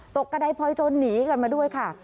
กระดายพลอยโจรหนีกันมาด้วยค่ะ